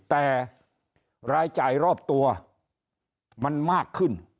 แต่รายจ่ายรอบตัวมันมากขึ้น